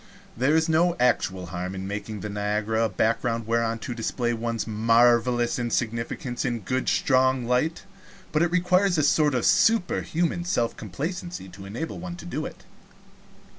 There is no actual harm in making Niagara a background whereon to display one's marvelous insignificance in a good strong light, but it requires a sort of superhuman self complacency to enable one to do it.